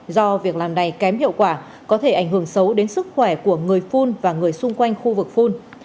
do việc làm này kém hiệu quả có thể ảnh hưởng xấu đến sức khỏe của người phun và người xung quanh khu vực phun